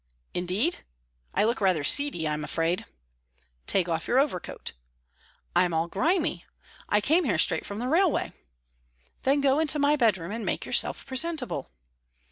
"Indeed? I look rather seedy, I'm afraid." "Take off your overcoat." "I'm all grimy. I came here straight from the railway." "Then go into my bedroom and make yourself presentable."